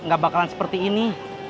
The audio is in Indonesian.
gak bakalan seperti ini